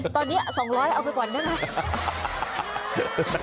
ตอนนี้๒๐๐เอาไปก่อนได้ไหม